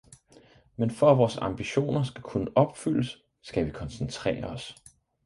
Men for at vores ambitioner skal kunne opfyldes, skal vi koncentrere os.